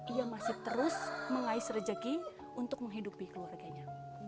ia masih terus mengais rejeki untuk menghidupi keluarganya